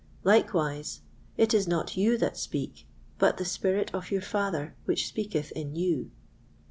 Likewise, 'It is not you that speak, but the spirit of your Father which speaketh in you.